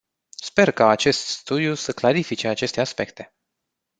Sper ca acest studiu să clarifice aceste aspecte.